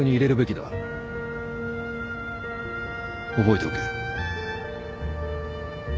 覚えておけ。